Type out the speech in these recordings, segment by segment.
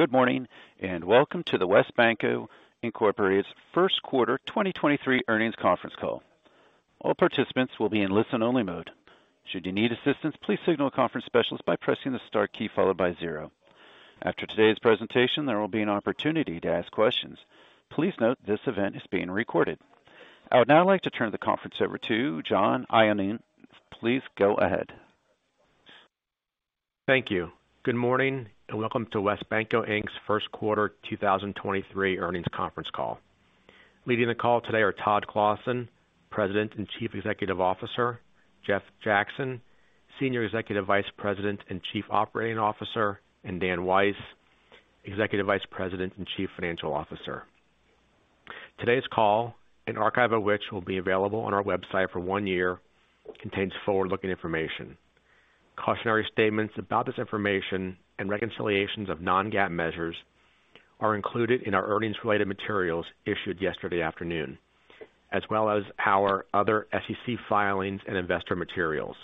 Good morning, and welcome to the WesBanco, Inc.'s first quarter 2023 earnings conference call. All participants will be in listen-only mode. Should you need assistance, please signal a conference specialist by pressing the star key followed by zero. After today's presentation, there will be an opportunity to ask questions. Please note this event is being recorded. I would now like to turn the conference over to John Iannone. Please go ahead. Thank you. Good morning, and welcome to WesBanco Inc.'s first quarter 2023 earnings conference call. Leading the call today are Todd Clossin, President and Chief Executive Officer, Jeff Jackson, Senior Executive Vice President and Chief Operating Officer, and Dan Weiss, Executive Vice President and Chief Financial Officer. Today's call, an archive of which will be available on our website for one year, contains forward-looking information. Cautionary statements about this information and reconciliations of non-GAAP measures are included in our earnings-related materials issued yesterday afternoon, as well as our other SEC filings and investor materials.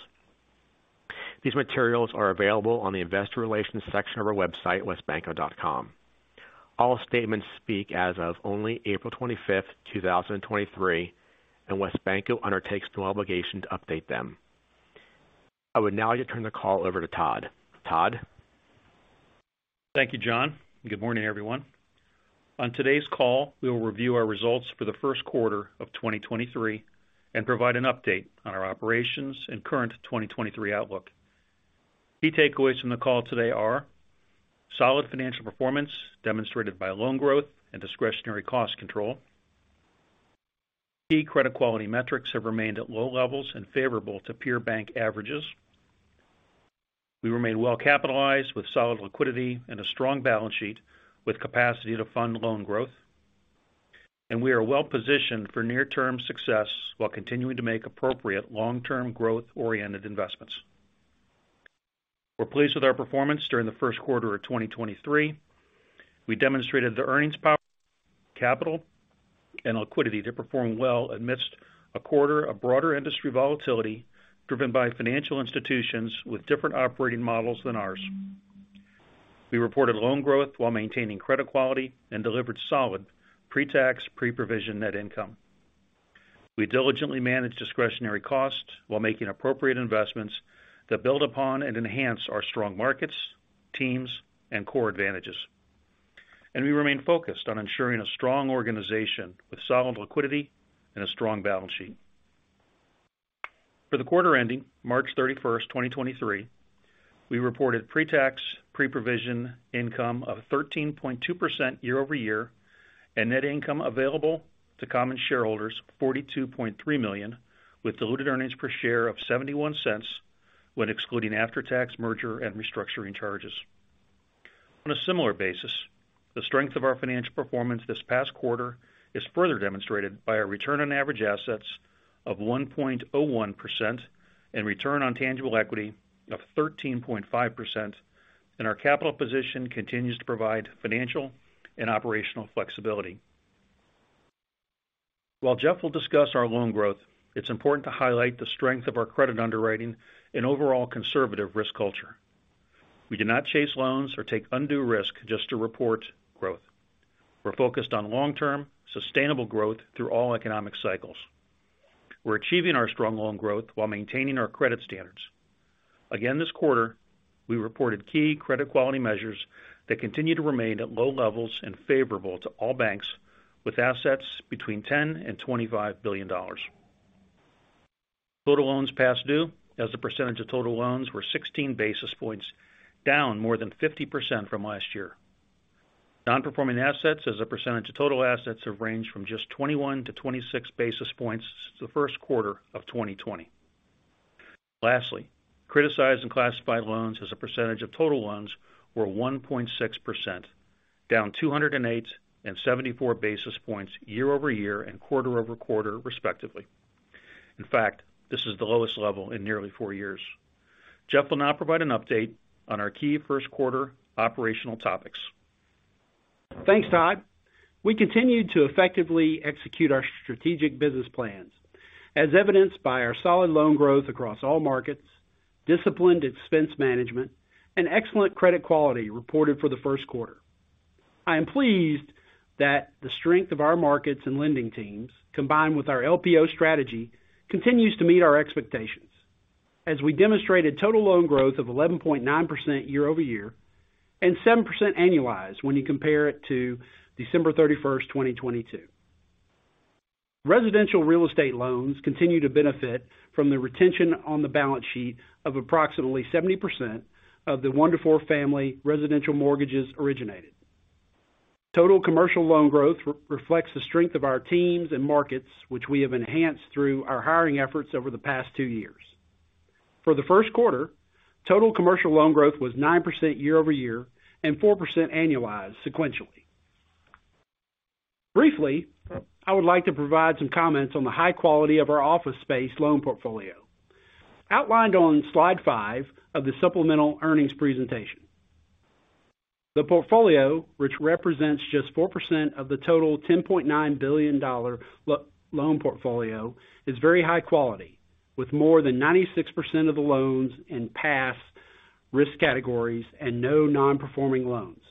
These materials are available on the investor relations section of our website, wesbanco.com. All statements speak as of only April 25, 2023, and WesBanco undertakes no obligation to update them. I would now like to turn the call over to Todd. Thank you, John. Good morning, everyone. On today's call, we will review our results for the first quarter of 2023 and provide an update on our operations and current 2023 outlook. Key takeaways from the call today are solid financial performance demonstrated by loan growth and discretionary cost control. Key credit quality metrics have remained at low levels and favorable to peer bank averages. We remain well capitalized with solid liquidity and a strong balance sheet with capacity to fund loan growth. We are well positioned for near-term success while continuing to make appropriate long-term growth-oriented investments. We're pleased with our performance during the first quarter of 2023. We demonstrated the earnings power, capital, and liquidity to perform well amidst a quarter of broader industry volatility driven by financial institutions with different operating models than ours. We reported loan growth while maintaining credit quality and delivered solid pre-tax, pre-provision net income. We diligently manage discretionary costs while making appropriate investments that build upon and enhance our strong markets, teams, and core advantages. We remain focused on ensuring a strong organization with solid liquidity and a strong balance sheet. For the quarter ending March 31, 2023, we reported pre-tax, pre-provision income of 13.2% year-over-year, and net income available to common shareholders of $42.3 million with diluted earnings per share of $0.71 when excluding after-tax merger and restructuring charges. On a similar basis, the strength of our financial performance this past quarter is further demonstrated by a return on average assets of 1.01% and return on tangible equity of 13.5%, and our capital position continues to provide financial and operational flexibility. While Jeff will discuss our loan growth, it's important to highlight the strength of our credit underwriting and overall conservative risk culture. We do not chase loans or take undue risk just to report growth. We're focused on long-term, sustainable growth through all economic cycles. We're achieving our strong loan growth while maintaining our credit standards. This quarter, we reported key credit quality measures that continue to remain at low levels and favorable to all banks with assets between $10 billion and $25 billion. Total loans past due as a percentage of total loans were 16 basis points, down more than 50% from last year. Non-performing assets as a percentage of total assets have ranged from just 21 to 26 basis points since the first quarter of 2020. Criticized and classified loans as a percentage of total loans were 1.6%, down 208 and 74 basis points year-over-year and quarter-over-quarter, respectively. This is the lowest level in nearly four years. Jeff will now provide an update on our key first quarter operational topics. Thanks, Todd. We continued to effectively execute our strategic business plans as evidenced by our solid loan growth across all markets, disciplined expense management, and excellent credit quality reported for the first quarter. I am pleased that the strength of our markets and lending teams, combined with our LPO strategy, continues to meet our expectations as we demonstrated total loan growth of 11.9% year-over-year and 7% annualized when you compare it to December 31, 2022. Residential real estate loans continue to benefit from the retention on the balance sheet of approximately 70% of the one to four family residential mortgages originated. Total commercial loan growth re-reflects the strength of our teams and markets, which we have enhanced through our hiring efforts over the past two years. For the first quarter, total commercial loan growth was 9% year-over-year and 4% annualized sequentially. Briefly, I would like to provide some comments on the high quality of our office space loan portfolio outlined on slide five of the supplemental earnings presentation. The portfolio, which represents just 4% of the total $10.9 billion loan portfolio, is very high quality. With more than 96% of the loans in past risk categories and no non-performing loans.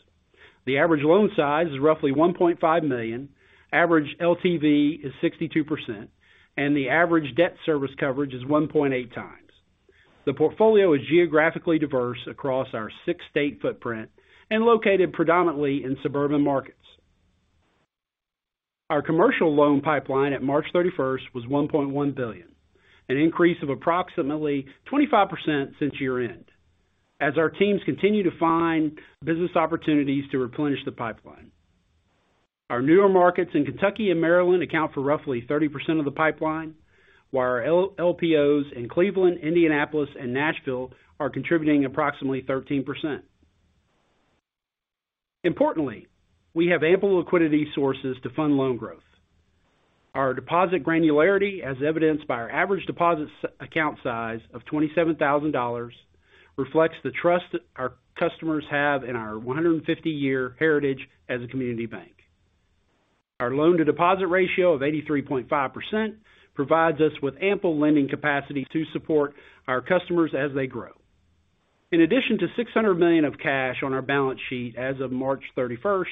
The average loan size is roughly $1.5 million, average LTV is 62%, and the average debt service coverage is 1.8 times. The portfolio is geographically diverse across our six-state footprint and located predominantly in suburban markets. Our commercial loan pipeline at March 31st was $1.1 billion, an increase of approximately 25% since year-end, as our teams continue to find business opportunities to replenish the pipeline. Our newer markets in Kentucky and Maryland account for roughly 30% of the pipeline, while our L.P.O.s in Cleveland, Indianapolis, and Nashville are contributing approximately 13%. We have ample liquidity sources to fund loan growth. Our deposit granularity, as evidenced by our average deposit account size of $27,000, reflects the trust our customers have in our 150-year heritage as a community bank. Our loan to deposit ratio of 83.5% provides us with ample lending capacity to support our customers as they grow. In addition to $600 million of cash on our balance sheet as of March 31st,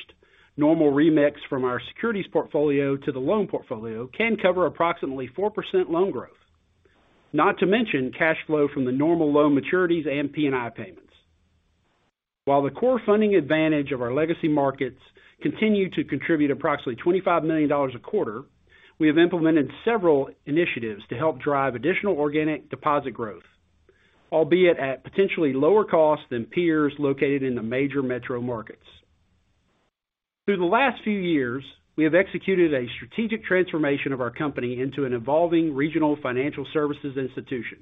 normal remix from our securities portfolio to the loan portfolio can cover approximately 4% loan growth. Not to mention cash flow from the normal loan maturities and P&I payments. While the core funding advantage of our legacy markets continue to contribute approximately $25 million a quarter, we have implemented several initiatives to help drive additional organic deposit growth, albeit at potentially lower costs than peers located in the major metro markets. Through the last few years, we have executed a strategic transformation of our company into an evolving regional financial services institution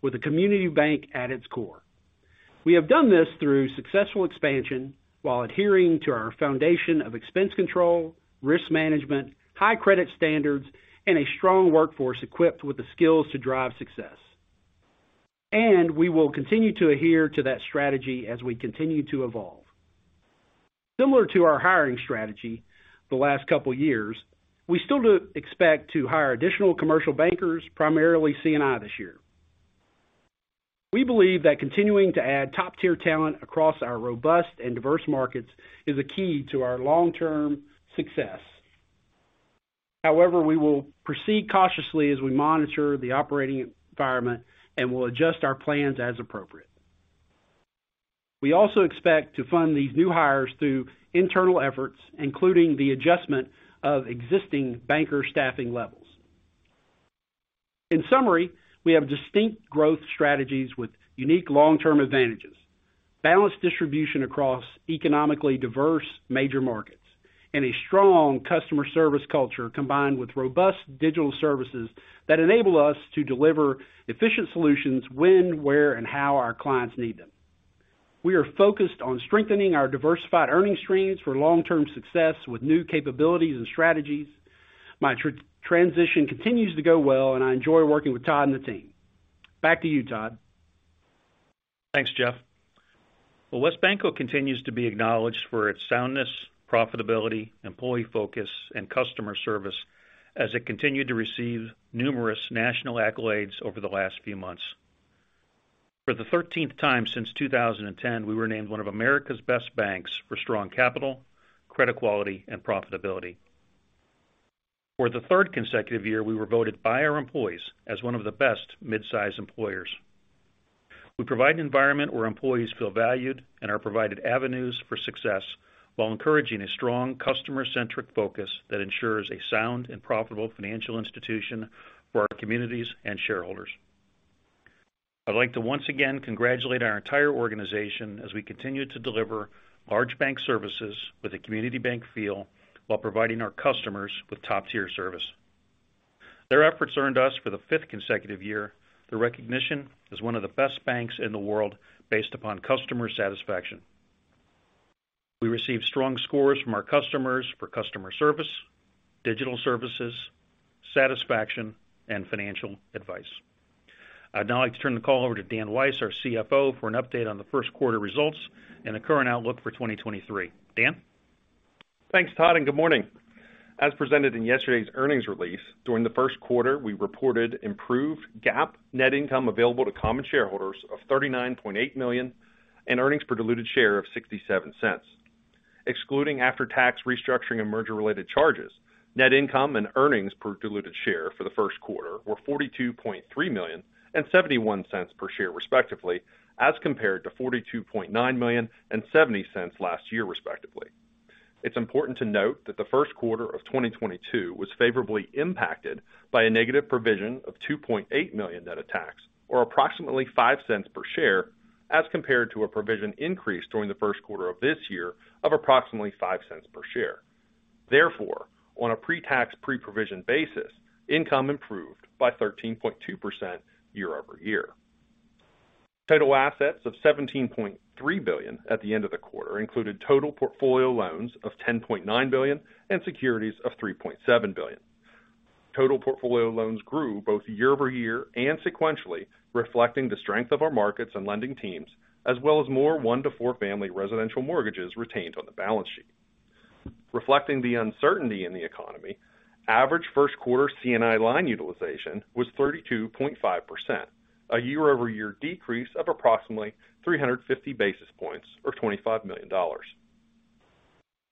with a community bank at its core. We have done this through successful expansion while adhering to our foundation of expense control, risk management, high credit standards, and a strong workforce equipped with the skills to drive success. We will continue to adhere to that strategy as we continue to evolve. Similar to our hiring strategy the last couple years, we still do expect to hire additional commercial bankers, primarily C&I, this year. We believe that continuing to add top-tier talent across our robust and diverse markets is a key to our long-term success. However, we will proceed cautiously as we monitor the operating environment and will adjust our plans as appropriate. We also expect to fund these new hires through internal efforts, including the adjustment of existing banker staffing levels. In summary, we have distinct growth strategies with unique long-term advantages, balanced distribution across economically diverse major markets, and a strong customer service culture combined with robust digital services that enable us to deliver efficient solutions when, where, and how our clients need them. We are focused on strengthening our diversified earnings streams for long-term success with new capabilities and strategies. My transition continues to go well, and I enjoy working with Todd and the team. Back to you, Todd. Thanks, Jeff. Well, WesBanco continues to be acknowledged for its soundness, profitability, employee focus, and customer service as it continued to receive numerous national accolades over the last few months. For the 13th time since 2010, we were named one of America's best banks for strong capital, credit quality, and profitability. For the third consecutive year, we were voted by our employees as one of the best mid-size employers. We provide an environment where employees feel valued and are provided avenues for success while encouraging a strong customer-centric focus that ensures a sound and profitable financial institution for our communities and shareholders. I'd like to once again congratulate our entire organization as we continue to deliver large bank services with a community bank feel while providing our customers with top-tier service. Their efforts earned us, for the 5th consecutive year, the recognition as one of the best banks in the world based upon customer satisfaction. We received strong scores from our customers for customer service, digital services, satisfaction, and financial advice. I'd now like to turn the call over to Dan Weiss, our CFO, for an update on the first quarter results and the current outlook for 2023. Dan? Thanks, Todd, and good morning. As presented in yesterday's earnings release, during the first quarter, we reported improved GAAP net income available to common shareholders of $39.8 million and earnings per diluted share of $0.67. Excluding after-tax restructuring and merger-related charges, net income and earnings per diluted share for the first quarter were $42.3 million and $0.71 per share, respectively, as compared to $42.9 million and $0.70 last year, respectively. It's important to note that the first quarter of 2022 was favorably impacted by a negative provision of $2.8 million net of tax, or approximately $0.05 per share, as compared to a provision increase during the first quarter of this year of approximately $0.05 per share. On a pre-tax, pre-provision basis, income improved by 13.2% year-over-year. Total assets of $17.3 billion at the end of the quarter included total portfolio loans of $10.9 billion and securities of $3.7 billion. Total portfolio loans grew both year-over-year and sequentially, reflecting the strength of our markets and lending teams, as well as more one to four family residential mortgages retained on the balance sheet. Reflecting the uncertainty in the economy, average first quarter C&I line utilization was 32.5%, a year-over-year decrease of approximately 350 basis points or $25 million.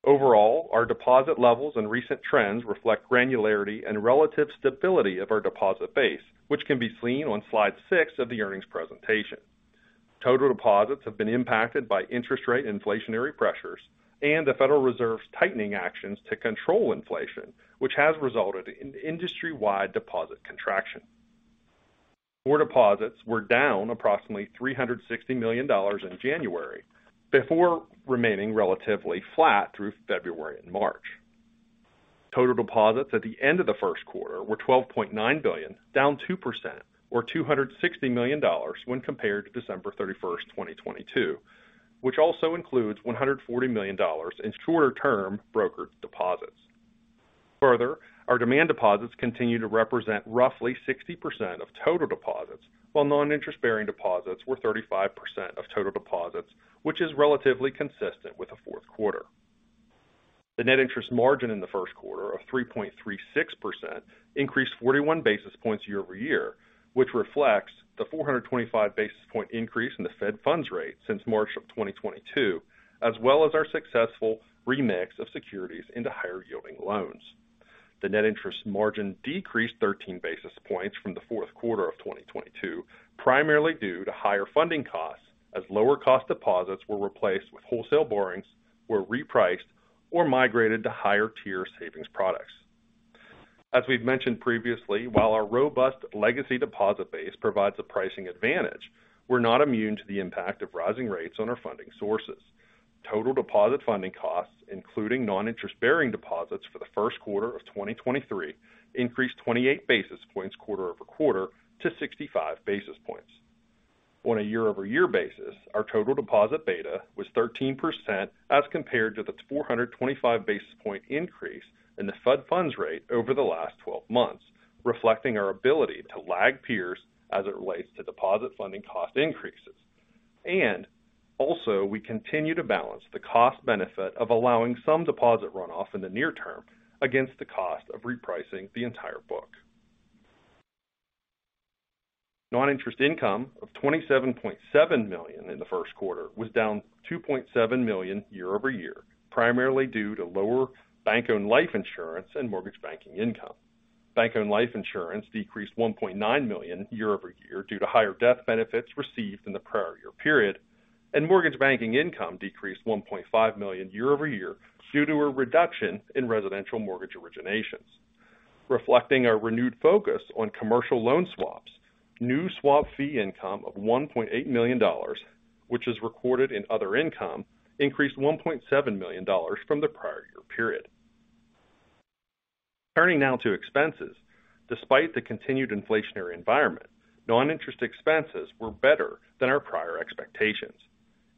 Overall, our deposit levels and recent trends reflect granularity and relative stability of our deposit base, which can be seen on slide six of the earnings presentation. Total deposits have been impacted by interest rate inflationary pressures and the Federal Reserve's tightening actions to control inflation, which has resulted in industry-wide deposit contraction. More deposits were down approximately $360 million in January before remaining relatively flat through February and March. Total deposits at the end of the first quarter were $12.9 billion, down 2% or $260 million when compared to December 31, 2022, which also includes $140 million in shorter term brokered deposits. Our demand deposits continue to represent roughly 60% of total deposits, while non-interest bearing deposits were 35% of total deposits, which is relatively consistent with the fourth quarter. The net interest margin in the first quarter of 3.36% increased 41 basis points year-over-year, which reflects the 425 basis point increase in the Fed funds rate since March of 2022, as well as our successful remix of securities into higher yielding loans. The net interest margin decreased 13 basis points from the fourth quarter of 2022, primarily due to higher funding costs as lower cost deposits were replaced with wholesale borrowings were repriced or migrated to higher tier savings products. As we've mentioned previously, while our robust legacy deposit base provides a pricing advantage, we're not immune to the impact of rising rates on our funding sources. Total deposit funding costs, including non-interest bearing deposits for the first quarter of 2023 increased 28 basis points quarter-over-quarter to 65 basis points. On a year-over-year basis, our total deposit beta was 13% as compared to the 425 basis point increase in the Fed funds rate over the last 12 months, reflecting our ability to lag peers as it relates to deposit funding cost increases. We continue to balance the cost benefit of allowing some deposit runoff in the near term against the cost of repricing the entire book. Non-interest income of $27.7 million in the first quarter was down $2.7 million year-over-year, primarily due to lower bank-owned life insurance and mortgage banking income. Bank-owned life insurance decreased $1.9 million year-over-year due to higher death benefits received in the prior year period, and mortgage banking income decreased $1.5 million year-over-year due to a reduction in residential mortgage originations. Reflecting our renewed focus on commercial loan swaps, new swap fee income of $1.8 million, which is recorded in other income, increased $1.7 million from the prior year period. Turning now to expenses. Despite the continued inflationary environment, non-interest expenses were better than our prior expectations.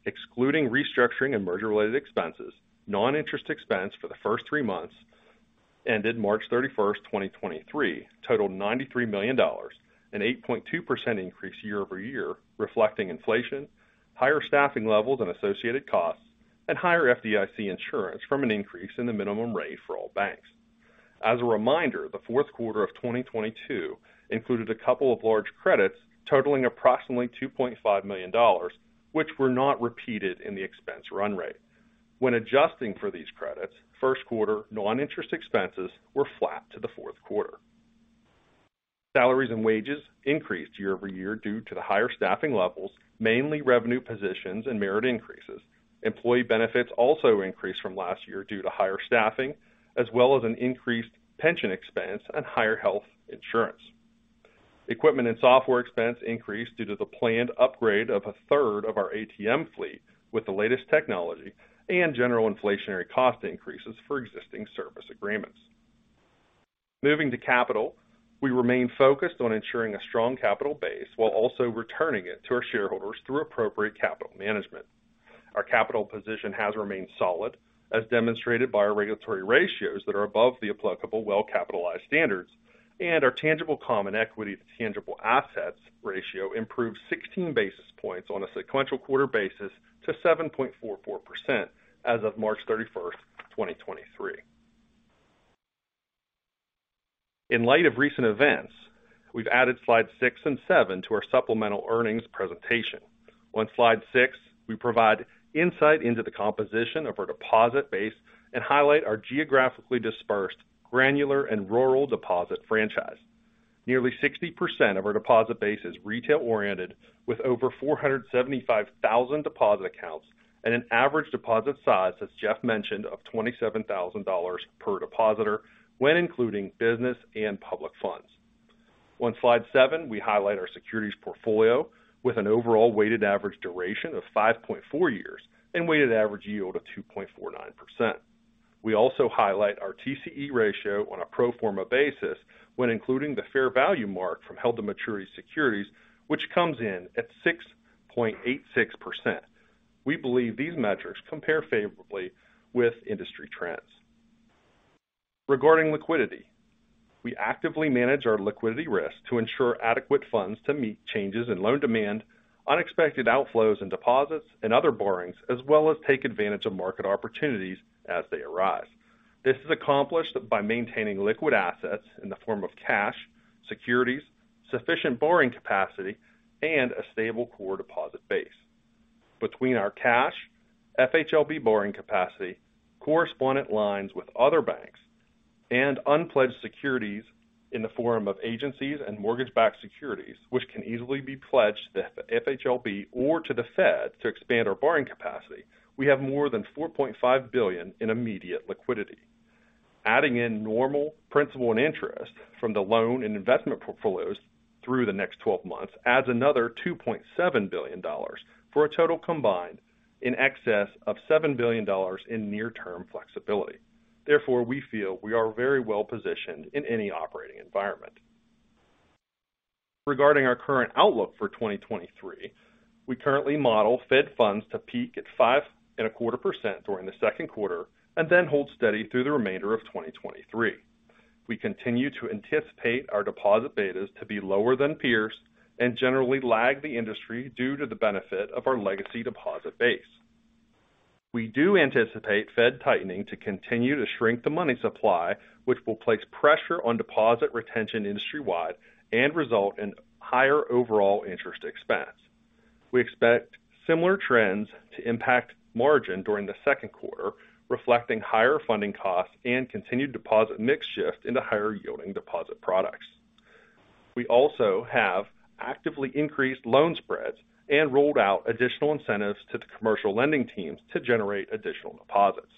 Excluding restructuring and merger related expenses, non-interest expense for the first three months ended March 31, 2023 totaled $93 million, an 8.2% increase year-over-year, reflecting inflation, higher staffing levels and associated costs, and higher FDIC insurance from an increase in the minimum rate for all banks. As a reminder, the fourth quarter of 2022 included a couple of large credits totaling approximately $2.5 million, which were not repeated in the expense run rate. When adjusting for these credits, first quarter non-interest expenses were flat to the fourth quarter. Salaries and wages increased year-over-year due to the higher staffing levels, mainly revenue positions and merit increases. Employee benefits also increased from last year due to higher staffing as well as an increased pension expense and higher health insurance. Equipment and software expense increased due to the planned upgrade of a third of our ATM fleet with the latest technology and general inflationary cost increases for existing service agreements. Moving to capital. We remain focused on ensuring a strong capital base while also returning it to our shareholders through appropriate capital management. Our capital position has remained solid, as demonstrated by our regulatory ratios that are above the applicable well-capitalized standards. Our tangible common equity to tangible assets ratio improved 16 basis points on a sequential quarter basis to 7.44% as of March 31st, 2023. In light of recent events, we've added slide six and seven to our supplemental earnings presentation. On slide 6, we provide insight into the composition of our deposit base and highlight our geographically dispersed, granular and rural deposit franchise. Nearly 60% of our deposit base is retail-oriented, with over 475,000 deposit accounts and an average deposit size, as Jeff mentioned, of $27,000 per depositor when including business and public funds. On slide 7, we highlight our securities portfolio with an overall weighted average duration of 5.4 years and weighted average yield of 2.49%. We also highlight our TCE ratio on a pro forma basis when including the fair value mark from held-to-maturity securities, which comes in at 6.86%. We believe these metrics compare favorably with industry trends. Regarding liquidity, we actively manage our liquidity risk to ensure adequate funds to meet changes in loan demand, unexpected outflows and deposits, and other borrowings, as well as take advantage of market opportunities as they arise. This is accomplished by maintaining liquid assets in the form of cash, securities, sufficient borrowing capacity, and a stable core deposit base. Between our cash, FHLB borrowing capacity, correspondent lines with other banks, and unpledged securities in the form of agencies and mortgage-backed securities, which can easily be pledged to FHLB or to the Fed to expand our borrowing capacity, we have more than $4.5 billion in immediate liquidity. Adding in normal principal and interest from the loan and investment portfolios through the next 12 months adds another $2.7 billion, for a total combined in excess of $7 billion in near-term flexibility. We feel we are very well-positioned in any operating environment. Regarding our current outlook for 2023, we currently model Fed funds to peak at five and a quarter percent during the second quarter and then hold steady through the remainder of 2023. We continue to anticipate our deposit betas to be lower than peers and generally lag the industry due to the benefit of our legacy deposit base. We do anticipate Fed tightening to continue to shrink the money supply, which will place pressure on deposit retention industry-wide and result in higher overall interest expense. We expect similar trends to impact margin during the second quarter, reflecting higher funding costs and continued deposit mix shift into higher-yielding deposit products. We also have actively increased loan spreads and rolled out additional incentives to the commercial lending teams to generate additional deposits.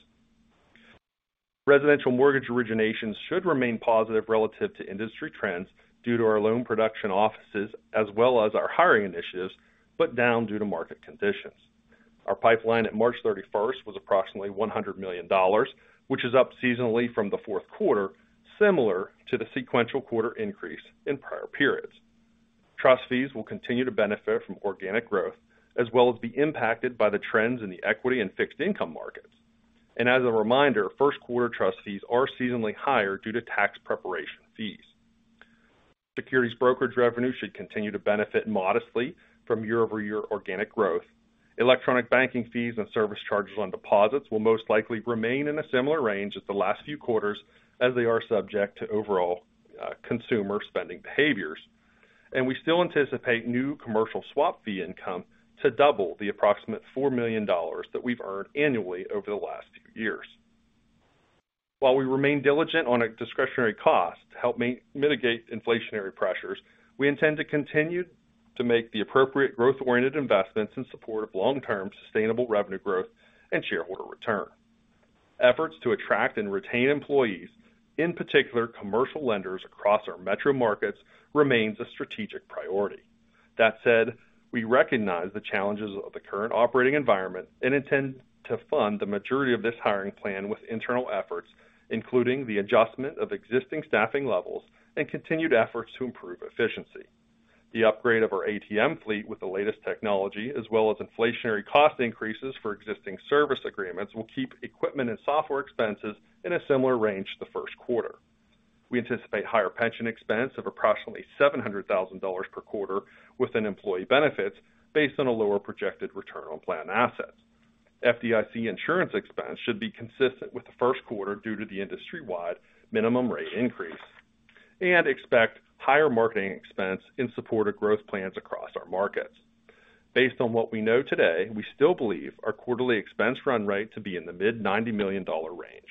Residential mortgage originations should remain positive relative to industry trends due to our loan production offices as well as our hiring initiatives, but down due to market conditions. Our pipeline at March 31st was approximately $100 million, which is up seasonally from the fourth quarter, similar to the sequential quarter increase in prior periods. Trust fees will continue to benefit from organic growth, as well as be impacted by the trends in the equity and fixed income markets. As a reminder, first quarter trust fees are seasonally higher due to tax preparation fees. Securities brokerage revenue should continue to benefit modestly from year-over-year organic growth. Electronic banking fees and service charges on deposits will most likely remain in a similar range as the last few quarters as they are subject to overall consumer spending behaviors. We still anticipate new commercial swap fee income to double the approximate $4 million that we've earned annually over the last few years. While we remain diligent on a discretionary cost to mitigate inflationary pressures, we intend to continue to make the appropriate growth-oriented investments in support of long-term sustainable revenue growth and shareholder return. Efforts to attract and retain employees, in particular commercial lenders across our metro markets, remains a strategic priority. That said, we recognize the challenges of the current operating environment and intend to fund the majority of this hiring plan with internal efforts, including the adjustment of existing staffing levels and continued efforts to improve efficiency. The upgrade of our ATM fleet with the latest technology as well as inflationary cost increases for existing service agreements will keep equipment and software expenses in a similar range to the first quarter. We anticipate higher pension expense of approximately $700,000 per quarter within employee benefits based on a lower projected return on plan assets. FDIC insurance expense should be consistent with the first quarter due to the industry-wide minimum rate increase. Expect higher marketing expense in support of growth plans across our markets. Based on what we know today, we still believe our quarterly expense run rate to be in the mid-$90 million range.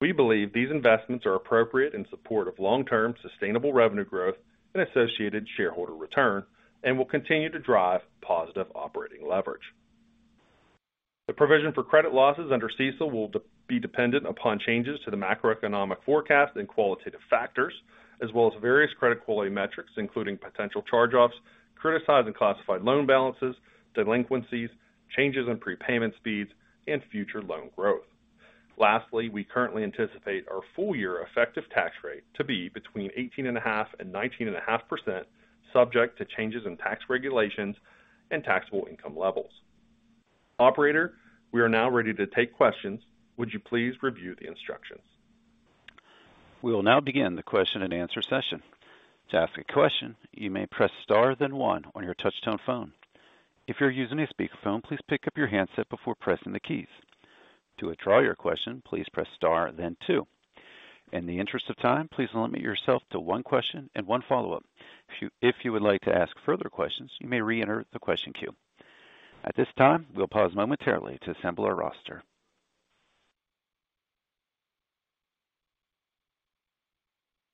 We believe these investments are appropriate in support of long-term sustainable revenue growth and associated shareholder return and will continue to drive positive operating leverage. The provision for credit losses under CECL will be dependent upon changes to the macroeconomic forecast and qualitative factors, as well as various credit quality metrics, including potential charge-offs, criticized and classified loan balances, delinquencies, changes in prepayment speeds, and future loan growth. Lastly, we currently anticipate our full-year effective tax rate to be between 18.5% and 19.5%, subject to changes in tax regulations and taxable income levels. Operator, we are now ready to take questions. Would you please review the instructions? We will now begin the question-and-answer session. To ask a question, you may press star then one on your touch-tone phone. If you're using a speakerphone, please pick up your handset before pressing the keys. To withdraw your question, please press star then two. In the interest of time, please limit yourself to one question and one follow-up. If you would like to ask further questions, you may reenter the question queue. At this time, we'll pause momentarily to assemble our roster.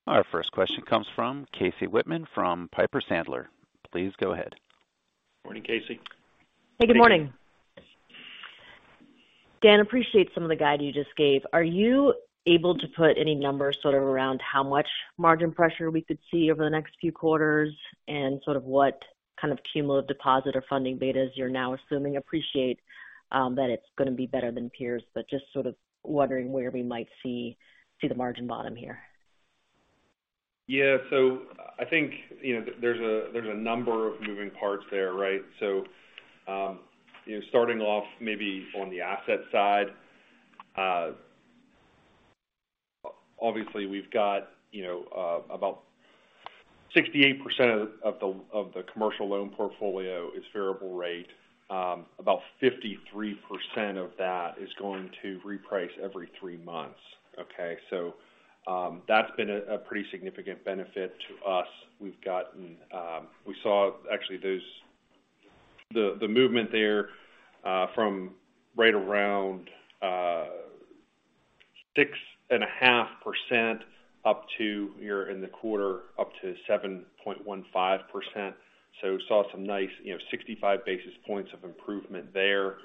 Our first question comes from Casey Whitman from Piper Sandler. Please go ahead. Morning, Casey. Hey, good morning. Dan, appreciate some of the guide you just gave. Are you able to put any numbers sort of around how much margin pressure we could see over the next few quarters and sort of what kind of cumulative deposit or funding betas you're now assuming? Appreciate that it's going to be better than peers, but just sort of wondering where we might see the margin bottom here. I think, you know, there's a, there's a number of moving parts there, right? Starting off maybe on the asset side, obviously, we've got, you know, about 68% of the, of the commercial loan portfolio is variable rate. About 53% of that is going to reprice every three months. That's been a pretty significant benefit to us. We saw actually the movement there, from right around 6.5% up to, here in the quarter, up to 7.15%. We saw some nice, you know, 65 basis points of improvement there.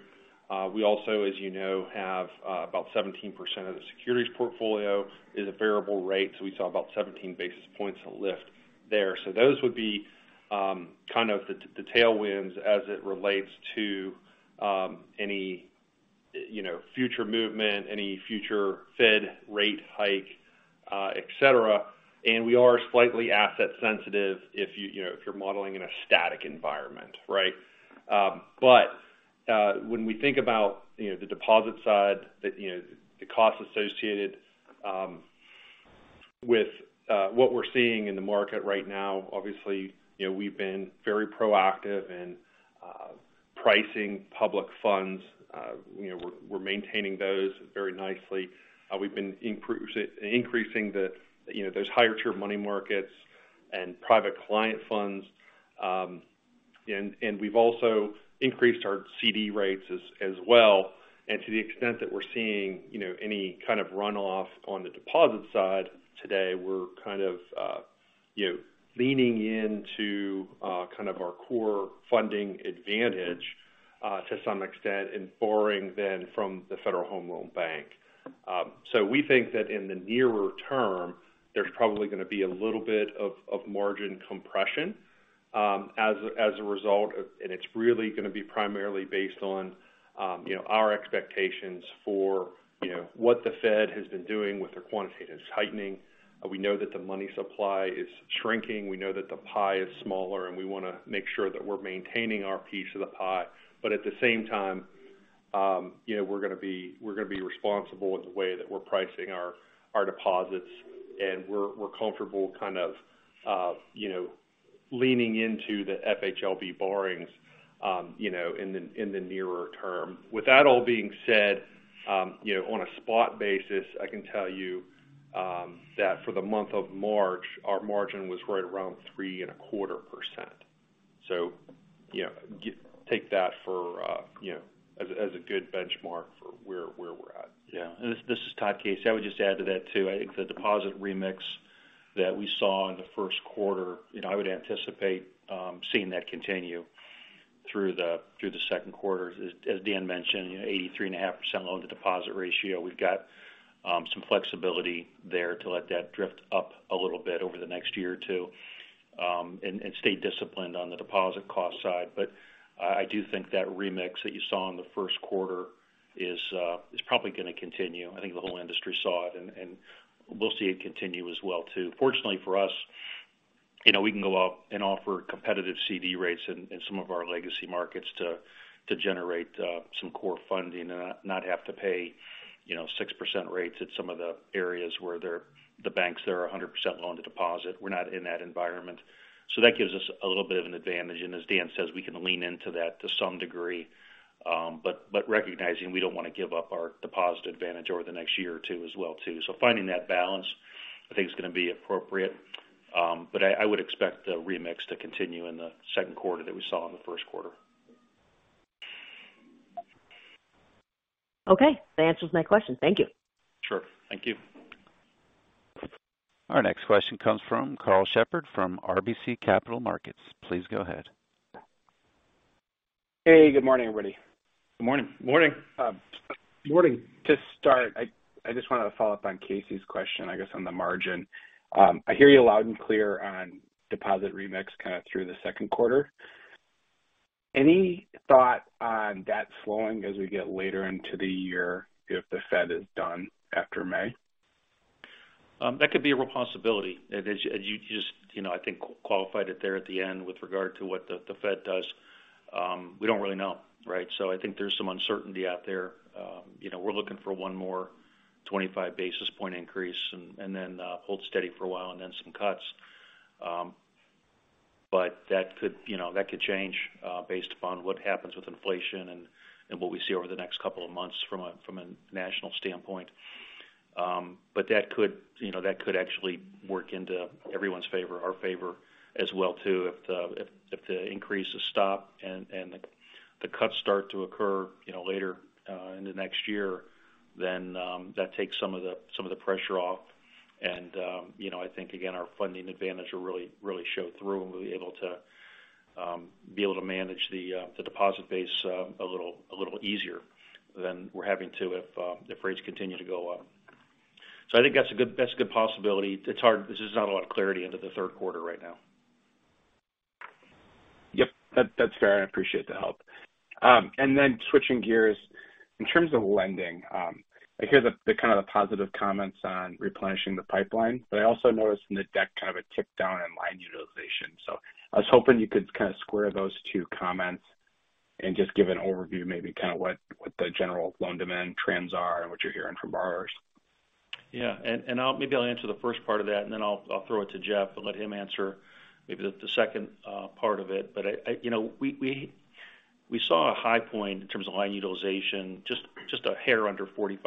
We also, as you know, have, about 17% of the securities portfolio is a variable rate, so we saw about 17 basis points of lift there. Those would be, kind of the tailwinds as it relates to any, you know, future movement, any future Fed rate hike, et cetera. We are slightly asset sensitive if you know, if you're modeling in a static environment, right? When we think about, you know, the deposit side, that, you know, the cost associated with what we're seeing in the market right now, obviously, you know, we've been very proactive in pricing public funds. You know, we're maintaining those very nicely. We've been increasing the, you know, those higher tier money markets and private client funds. We've also increased our CD rates as well. To the extent that we're seeing, you know, any kind of runoff on the deposit side today, we're kind of, you know, leaning into kind of our core funding advantage to some extent, and borrowing then from the Federal Home Loan Bank. We think that in the nearer term, there's probably gonna be a little bit of margin compression as a result of. It's really gonna be primarily based on, you know, our expectations for, you know, what the Fed has been doing with their quantitative tightening. We know that the money supply is shrinking. We know that the pie is smaller, and we wanna make sure that we're maintaining our piece of the pie. At the same time, you know, we're gonna be responsible with the way that we're pricing our deposits, and we're comfortable kind of, you know, leaning into the FHLB borrowings, you know, in the nearer term. With that all being said, you know, on a spot basis, I can tell you, that for the month of March, our margin was right around 3.25%. You know, take that for, you know, as a good benchmark for where we're at. Yeah. This is Todd Clossin. I would just add to that, too. I think the deposit remix that we saw in the first quarter, you know, I would anticipate seeing that continue through the second quarter. As Dan mentioned, you know, 83.5% loan to deposit ratio. We've got some flexibility there to let that drift up a little bit over the next year or two, and stay disciplined on the deposit cost side. I do think that remix that you saw in the first quarter is probably gonna continue. I think the whole industry saw it, and we'll see it continue as well, too. Fortunately for us, you know, we can go out and offer competitive CD rates in some of our legacy markets to generate some core funding and not have to pay, you know, 6% rates at some of the areas where the banks that are 100% loan to deposit. We're not in that environment. That gives us a little bit of an advantage. As Dan says, we can lean into that to some degree, but recognizing we don't wanna give up our deposit advantage over the next year or two as well, too. Finding that balance, I think, is gonna be appropriate. I would expect the remix to continue in the second quarter that we saw in the first quarter. Okay. That answers my question. Thank you. Sure. Thank you. Our next question comes from Karl Shepard from RBC Capital Markets. Please go ahead. Hey, good morning, everybody. Good morning. Morning. Morning. To start, I just wanted to follow up on Casey's question, I guess, on the margin. I hear you loud and clear on deposit remix kind of through the second quarter. Any thought on that slowing as we get later into the year if the Fed is done after May? That could be a real possibility. As you just, you know, I think qualified it there at the end with regard to what the Fed does. We don't really know, right? I think there's some uncertainty out there. You know, we're looking for one more 25 basis point increase and then hold steady for a while and then some cuts. That could, you know, that could change based upon what happens with inflation and what we see over the next couple of months from a national standpoint. That could, you know, that could actually work into everyone's favor, our favor as well, too. If the increases stop and the cuts start to occur, you know, later, in the next year, then that takes some of the pressure off. you know, I think, again, our funding advantage will really show through, and we'll be able to manage the deposit base, a little easier than we're having to if rates continue to go up. I think that's a good possibility. It's hard. There's just not a lot of clarity into the third quarter right now. Yep. That's fair. I appreciate the help. Switching gears. In terms of lending, I hear the kind of the positive comments on replenishing the pipeline, but I also noticed in the deck kind of a tick down in line utilization. I was hoping you could kind of square those two comments and just give an overview, maybe kind of what the general loan demand trends are and what you're hearing from borrowers? Yeah. Maybe I'll answer the first part of that, and then I'll throw it to Jeff and let him answer maybe the second part of it. I... You know, we saw a high point in terms of line utilization, just a hair under 45%,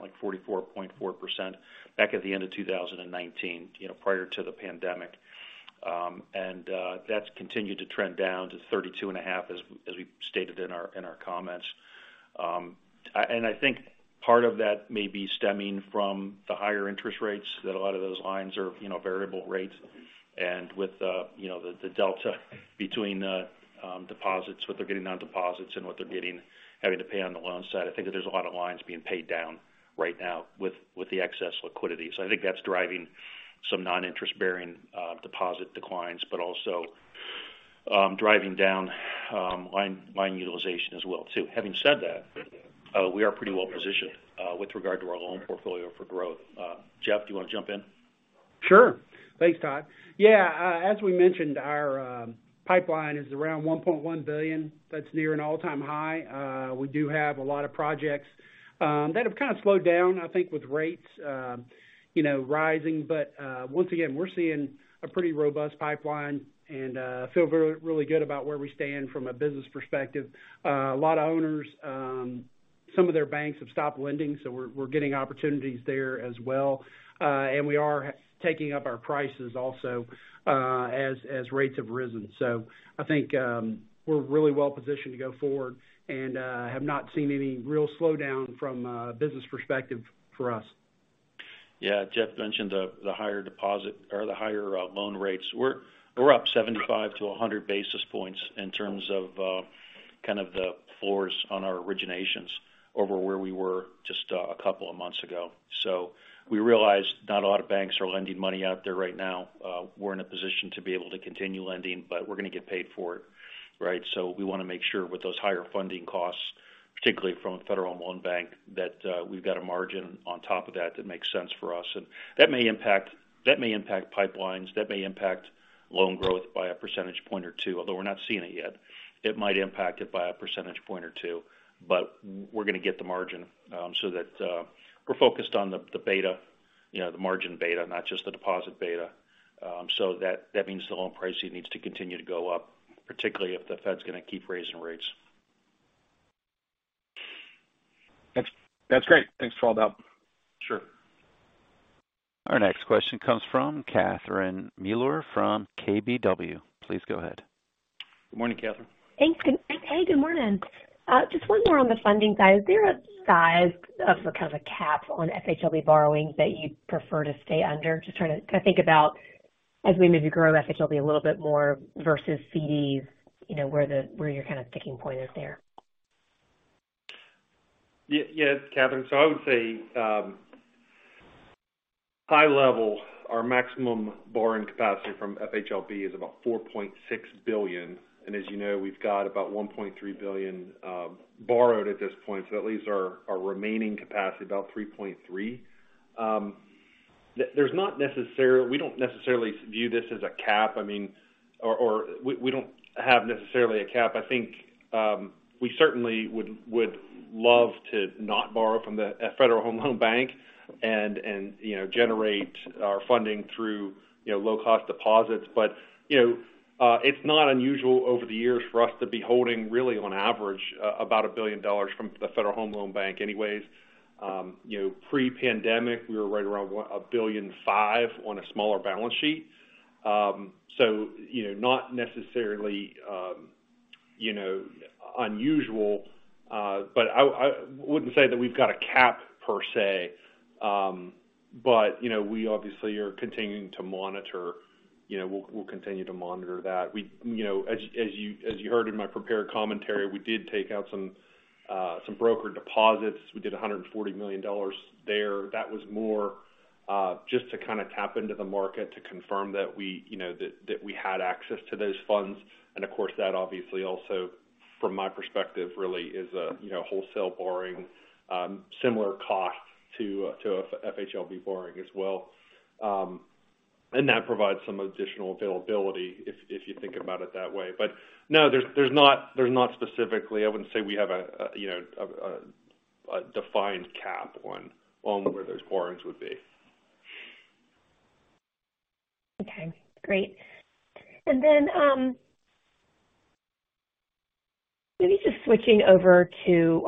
like 44.4% back at the end of 2019, you know, prior to the pandemic. That's continued to trend down to 32.5%, as we stated in our comments. I think part of that may be stemming from the higher interest rates that a lot of those lines are, you know, variable rates. With, you know, the delta between deposits, what they're getting on deposits and what they're having to pay on the loan side, I think that there's a lot of lines being paid down right now with the excess liquidity. I think that's driving some non-interest bearing deposit declines, but also driving down line utilization as well too. Having said that, we are pretty well positioned with regard to our loan portfolio for growth. Jeff, do you wanna jump in? Sure. Thanks, Todd. Yeah. As we mentioned, our pipeline is around $1.1 billion. That's near an all-time high. We do have a lot of projects that have kind of slowed down, I think, with rates, you know, rising. Once again, we're seeing a pretty robust pipeline and feel really good about where we stand from a business perspective. A lot of owners, some of their banks have stopped lending, we're getting opportunities there as well. We are taking up our prices also, as rates have risen. I think we're really well positioned to go forward and have not seen any real slowdown from a business perspective for us. Yeah. Jeff mentioned the higher deposit or the higher loan rates. We're up 75 to 100 basis points in terms of kind of the floors on our originations over where we were just a couple of months ago. We realize not a lot of banks are lending money out there right now. We're in a position to be able to continue lending, but we're gonna get paid for it, right? We wanna make sure with those higher funding costs, particularly from Federal Home Loan Bank, that we've got a margin on top of that that makes sense for us. That may impact pipelines, that may impact loan growth by a percentage point or 2, although we're not seeing it yet. It might impact it by a percentage point or two. We're gonna get the margin, so that we're focused on the beta, you know, the margin beta, not just the deposit beta. That, that means the loan pricing needs to continue to go up, particularly if the Fed's gonna keep raising rates. That's great. Thanks for all the help. Sure. Our next question comes from Catherine Mealor from KBW. Please go ahead. Good morning, Catherine. Thanks. Good. Hey, good morning. just one more on the funding side. Is there a size of, kind of a cap on FHLB borrowing that you'd prefer to stay under? Just trying to kinda think about as we maybe grow FHLB a little bit more versus CDs, you know, where your kind of sticking point is there? Yes, Catherine. I would say, high level, our maximum borrowing capacity from FHLB is about $4.6 billion. As you know, we've got about $1.3 billion borrowed at this point. That leaves our remaining capacity about $3.3 billion. There's not necessarily. We don't necessarily view this as a cap. I mean, or we don't have necessarily a cap. I think, we certainly would love to not borrow from the Federal Home Loan Bank and, you know, generate our funding through, you know, low cost deposits. You know, it's not unusual over the years for us to be holding really on average, about $1 billion from the Federal Home Loan Bank anyways. You know, pre-pandemic, we were right around $1.5 billion on a smaller balance sheet. You know, not necessarily, you know, unusual. I wouldn't say that we've got a cap per se. You know, we obviously are continuing to monitor. You know, we'll continue to monitor that. You know, as you, as you heard in my prepared commentary, we did take out some broker deposits. We did $140 million there. That was more just to kind of tap into the market to confirm that we, you know, that we had access to those funds. Of course, that obviously also from my perspective, really is a, you know, wholesale borrowing, similar cost to FHLB borrowing as well. That provides some additional availability if you think about it that way. No, there's not, there's not specifically. I wouldn't say we have a, you know, a defined cap on where those borrowings would be. Okay, great. Well,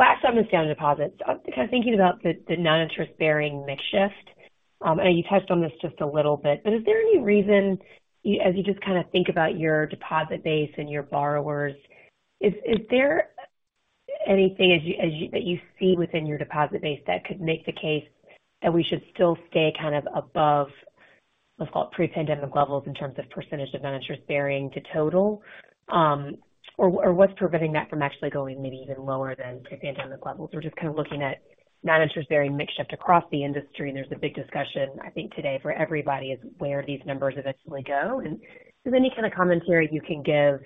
actually, I'm gonna stay on deposits. Kind of thinking about the non-interest bearing mix shift. I know you touched on this just a little bit, but is there any reason as you just kinda think about your deposit base and your borrowers, is there anything that you see within your deposit base that could make the case that we should still stay kind of above, let's call it pre-pandemic levels in terms of percentage of non-interest bearing to total? What's preventing that from actually going maybe even lower than pre-pandemic levels? We're just kind of looking at non-interest bearing mix shift across the industry, and there's a big discussion, I think, today for everybody is where these numbers eventually go. If there's any kind of commentary you can give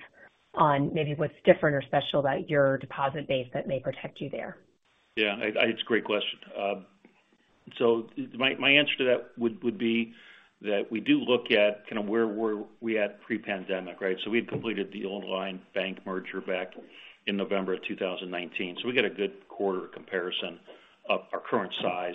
on maybe what's different or special about your deposit base that may protect you there. Yeah, It's a great question. My answer to that would be that we do look at kind of where were we at pre-pandemic, right? We'd completed the Old Line Bank merger back in November of 2019. We get a good quarter comparison of our current size,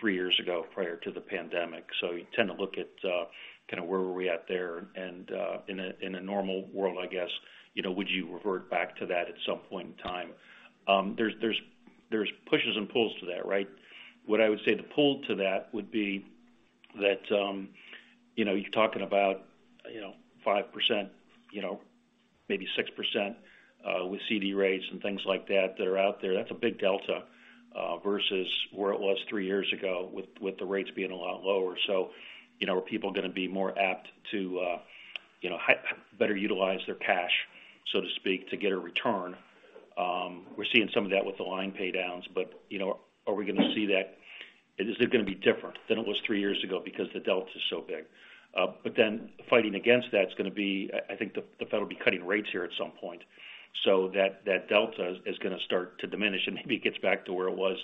three years ago prior to the pandemic. You tend to look at kind of where were we at there and in a normal world, I guess, you know, would you revert back to that at some point in time? There's pushes and pulls to that, right? What I would say the pull to that would be that, you know, you're talking about, you know, 5%, you know, maybe 6% with CD rates and things like that that are out there. That's a big delta versus where it was three years ago with the rates being a lot lower. You know, are people gonna be more apt to, you know, better utilize their cash, so to speak, to get a return? We're seeing some of that with the line pay downs but, you know, are we gonna see that? Is it gonna be different than it was three years ago because the delta's so big? Fighting against that's gonna be, I think the Fed will be cutting rates here at some point so that delta is gonna start to diminish and maybe gets back to where it was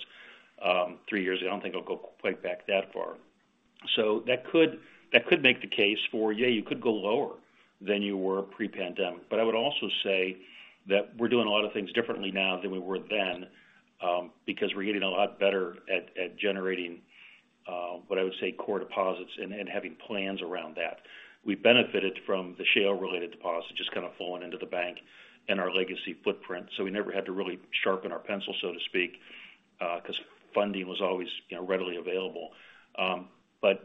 three years ago. I don't think it'll go quite back that far. That could make the case for, yeah, you could go lower than you were pre-pandemic. I would also say that we're doing a lot of things differently now than we were then, because we're getting a lot better at generating, what I would say, core deposits and having plans around that. We benefited from the shale related deposits just kind of falling into the bank and our legacy footprint. We never had to really sharpen our pencil, so to speak, because funding was always, you know, readily available.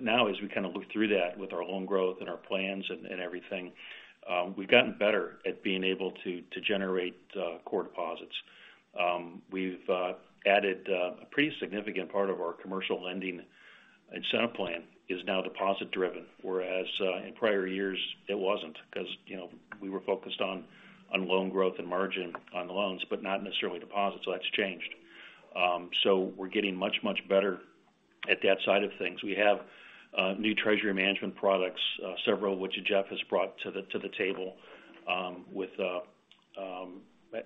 Now as we kind of look through that with our loan growth and our plans and everything, we've gotten better at being able to generate, core deposits. We've added a pretty significant part of our commercial lending incentive plan is now deposit driven, whereas in prior years it wasn't because, you know, we were focused on loan growth and margin on the loans, but not necessarily deposits. That's changed. We're getting much, much better at that side of things. We have new treasury management products, several of which Jeff has brought to the table, with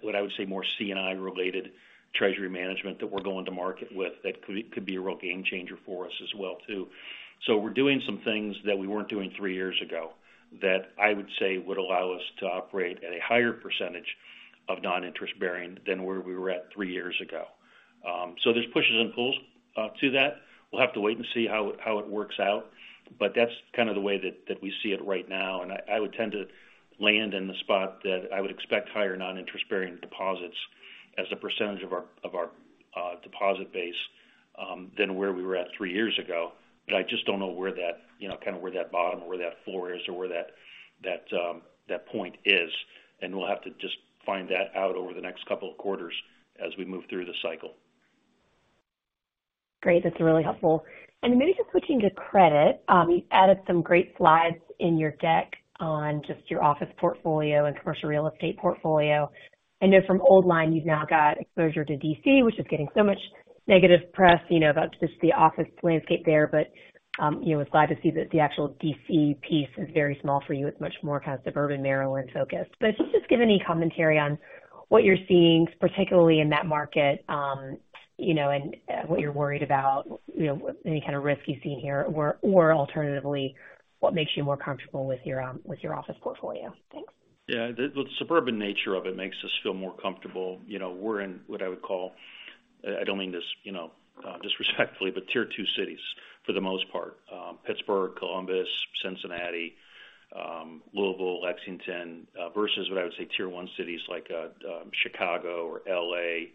what I would say more C&I related treasury management that we're going to market with that could be a real game changer for us as well too. We're doing some things that we weren't doing three years ago that I would say would allow us to operate at a higher percentage of non-interest bearing than where we were at three years ago. There's pushes and pulls to that. We'll have to wait and see how it works out, but that's kind of the way that we see it right now. I would tend to land in the spot that I would expect higher non-interest bearing deposits as a percentage of our deposit base, than where we were at three years ago. I just don't know where that, you know, kind of where that bottom or where that floor is or where that point is, and we'll have to just find that out over the next couple of quarters as we move through the cycle. Great. That's really helpful. Maybe just switching to credit, you added some great slides in your deck on just your office portfolio and commercial real estate portfolio. I know from Old Line you've now got exposure to D.C., which is getting so much negative press, you know, about just the office landscape there. You know, was glad to see that the actual D.C. piece is very small for you. It's much more kind of suburban Maryland focused. Can you just give any commentary on what you're seeing, particularly in that market, you know, and what you're worried about, you know, any kind of risk you see here, or alternatively, what makes you more comfortable with your with your office portfolio? Thanks. Yeah. The suburban nature of it makes us feel more comfortable. You know, we're in what I would call, I don't mean this, you know, disrespectfully, but Tier 2 cities for the most part. Pittsburgh, Columbus, Cincinnati, Louisville, Lexington, versus what I would say Tier 1 cities like Chicago or L.A.,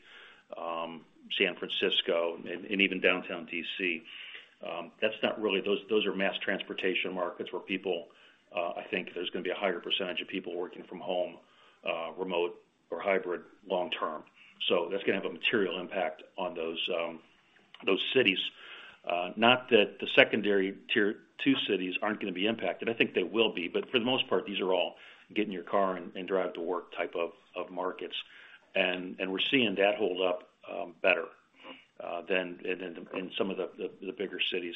San Francisco and even downtown D.C. That's not really. Those are mass transportation markets where people, I think there's gonna be a higher percentage of people working from home, remote or hybrid long term. That's gonna have a material impact on those cities. Not that the secondary Tier 2 cities aren't gonna be impacted. I think they will be, but for the most part, these are all get in your car and drive to work type of markets. We're seeing that hold up better than in some of the bigger cities.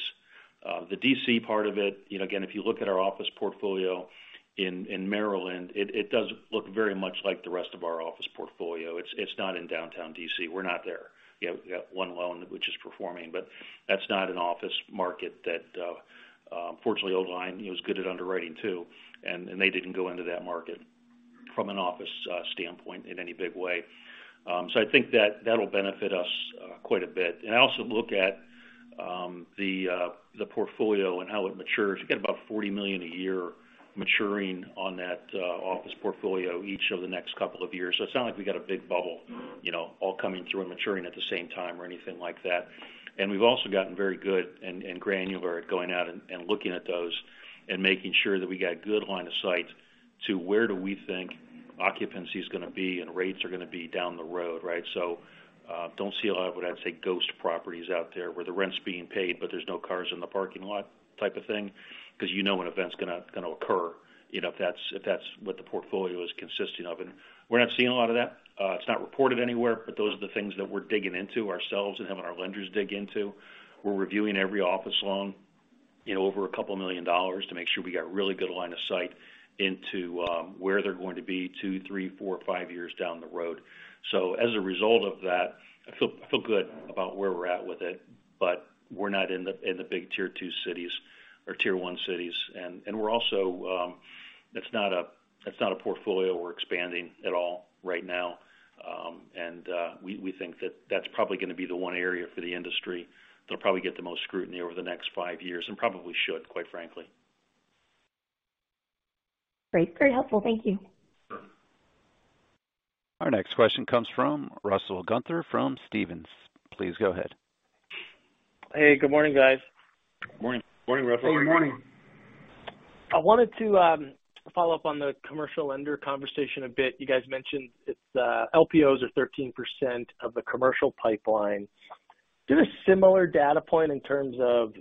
The D.C. part of it, you know, again, if you look at our office portfolio in Maryland, it does look very much like the rest of our office portfolio. It's not in downtown D.C. We're not there. You know, we've got one loan which is performing, but that's not an office market that fortunately Old Line, you know, was good at underwriting too, and they didn't go into that market from an office standpoint in any big way. I think that that'll benefit us quite a bit. I also look at the portfolio and how it matures. We've got about $40 million a year maturing on that office portfolio each of the next couple of years. It's not like we got a big bubble, you know, all coming through and maturing at the same time or anything like that. We've also gotten very good and granular at going out and looking at those and making sure that we got good line of sight to where do we think occupancy is going to be and rates are going to be down the road, right? Don't see a lot of what I'd say ghost properties out there where the rent's being paid, but there's no cars in the parking lot type of thing because you know when events going to occur, you know, if that's, if that's what the portfolio is consisting of. We're not seeing a lot of that. It's not reported anywhere. Those are the things that we're digging into ourselves and having our lenders dig into. We're reviewing every office loan, you know, over $2 million to make sure we got really good line of sight into where they're going to be two, three, four, five years down the road. As a result of that, I feel good about where we're at with it, but we're not in the, in the big Tier 2 cities or Tier 1 cities. We're also, it's not a portfolio we're expanding at all right now. We think that that's probably going to be the one area for the industry that'll probably get the most scrutiny over the next five years and probably should, quite frankly. Great. Very helpful. Thank you. Sure. Our next question comes from Russell Gunther from Stephens. Please go ahead. Hey, good morning, guys. Morning. Morning, Russell. Hey, good morning. I wanted to follow up on the commercial lender conversation a bit. You guys mentioned it's LPOs are 13% of the commercial pipeline. Do you have a similar data point in terms of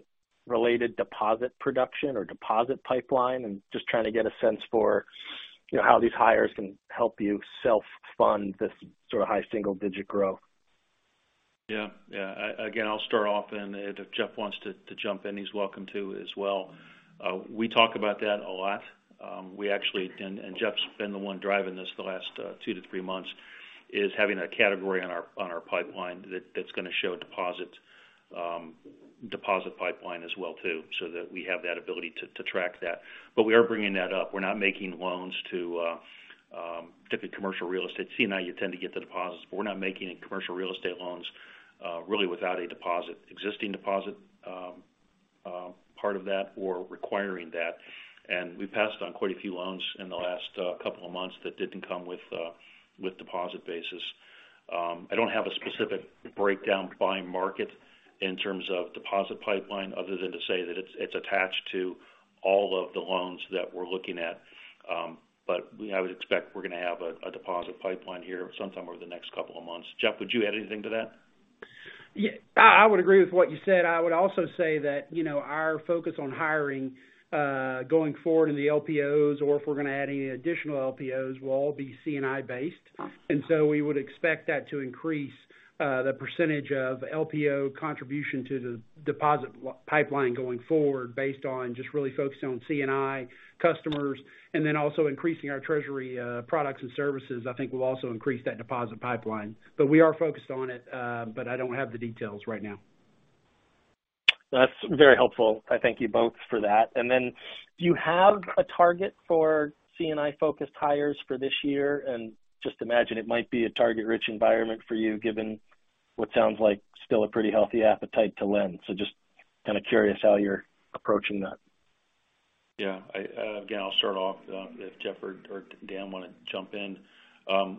related deposit production or deposit pipeline and just trying to get a sense for, you know, how these hires can help you self-fund this sort of high single-digit growth? Yeah. Yeah. Again, I'll start off and if Jeff wants to jump in, he's welcome to as well. We talk about that a lot. We actually and Jeff's been the one driving this the last two to three months, is having a category on our pipeline that's gonna show deposit pipeline as well too, so that we have that ability to track that. We are bringing that up. We're not making loans to typically commercial real estate. C&I, you tend to get the deposits, but we're not making any commercial real estate loans really without a deposit. Existing deposit part of that or requiring that. We passed on quite a few loans in the last couple of months that didn't come with deposit basis. I don't have a specific breakdown by market in terms of deposit pipeline other than to say that it's attached to all of the loans that we're looking at. I would expect we're gonna have a deposit pipeline here sometime over the next couple of months. Jeff, would you add anything to that? Yeah. I would agree with what you said. I would also say that, you know, our focus on hiring, going forward in the LPOs or if we're gonna add any additional LPOs will all be C&I based. Awesome. We would expect that to increase the percentage of LPO contribution to the deposit pipeline going forward based on just really focusing on C&I customers and then also increasing our treasury products and services. I think we'll also increase that deposit pipeline. We are focused on it, but I don't have the details right now. That's very helpful. I thank you both for that. Do you have a target for C&I-focused hires for this year? Just imagine it might be a target-rich environment for you, given what sounds like still a pretty healthy appetite to lend. Just kind of curious how you're approaching that. Yeah. I, again, I'll start off, if Jeff or Dan wanna jump in.